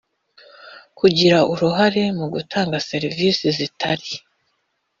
kugira uruhare mu gutanga serivisi zitari